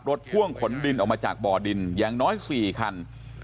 พ่วงขนดินออกมาจากบ่อดินอย่างน้อย๔คัน